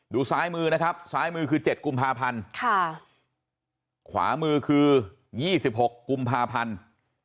ซ้ายมือนะครับซ้ายมือคือ๗กุมภาพันธ์ขวามือคือ๒๖กุมภาพันธ์